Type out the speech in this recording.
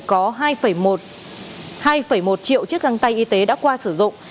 có hai một triệu chiếc găng tay y tế đã qua sử dụng